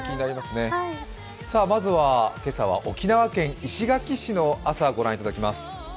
まずは今朝は沖縄県石垣市の朝、ご覧いただきます。